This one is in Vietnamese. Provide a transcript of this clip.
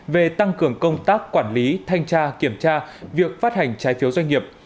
về tăng cường công tác quản lý thanh tra kiểm tra việc phát hành trái phiếu doanh nghiệp